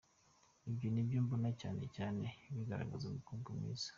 Ibyo nibyo mbona cyane cyane bigaragaza umukobwa mwiza.